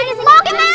udah udah sini